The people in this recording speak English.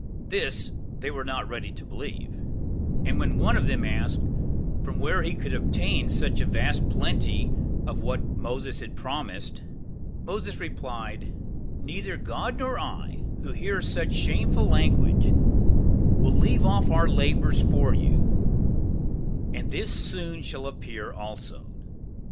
This they were not to believe; and when one of them asked, whence he could obtain such vast plenty of what he promised, he replied, "Neither God nor I, we hear such opprobrious language from will leave off our labors for you; and this soon appear also."